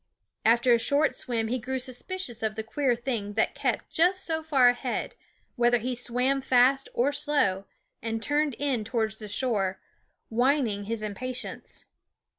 After a short swim he grew suspicious of the queer thing that kept just so far ahead, whether he swam fast or slow, and turned in towards the shore, whining his impatience.